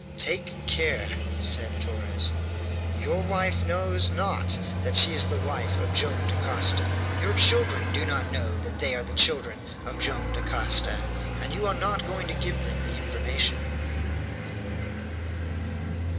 "Take care," said Torres, "your wife knows not that she is the wife of Joam Dacosta, your children do not know they are the children of Joam Dacosta, and you are not going to give them the information."